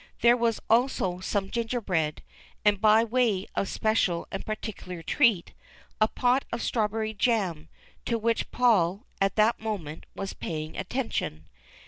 There was also some gingerbread, and by way of special and particular treat, a pot of strawberry jam, to which Paul, at that moment, was paying attention.